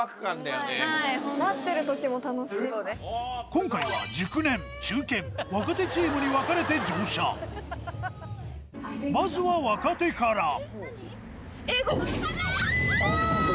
今回は熟年中堅若手チームに分かれて乗車まずは若手からキャ！